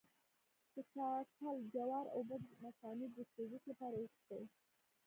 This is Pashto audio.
د کاکل جوار اوبه د مثانې د سوزش لپاره وڅښئ